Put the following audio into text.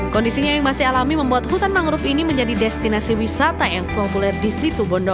kondisinya yang masih alami membuat hutan mangrove ini menjadi destinasi wisata yang populer di situ bondo